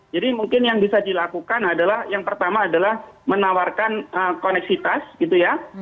jadi mungkin yang bisa dilakukan adalah yang pertama adalah menawarkan koneksitas gitu ya